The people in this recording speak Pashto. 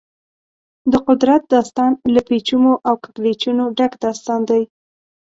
د قدرت داستان له پېچومو او کږلېچونو ډک داستان دی.